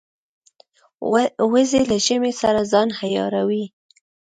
وزې له ژمې سره ځان عیاروي